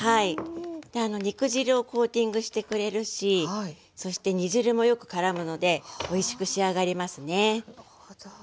肉汁をコーティングしてくれるしそして煮汁もよくからむのでおいしく仕上がりますね。